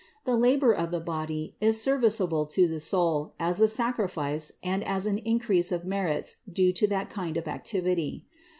The labor of the body is serv iceable to the soul as a sacrifice and as an increase of the merits due to that kind of activity.